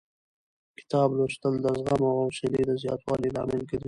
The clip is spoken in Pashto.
کتاب لوستل د زغم او حوصلې د زیاتوالي لامل ګرځي.